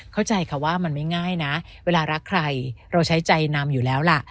เข้าใจค่ะว่ามันไม่ง่ายนะเวลารักใครเราใช้ใจนำอยู่แล้วล่ะ